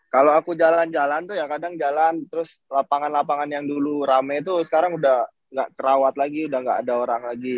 kalau aku jalan jalan tuh ya kadang jalan terus lapangan lapangan yang dulu rame itu sekarang udah gak kerawat lagi udah gak ada orang lagi